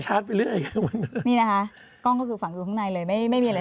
นี่นะคะกล้องก็คือฝังอยู่ข้างในเลยไม่ไม่มีอะไร